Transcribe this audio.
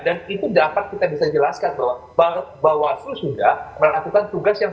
dan itu dapat kita bisa jelaskan bahwa bawah seluruh sudah melakukan tugas yang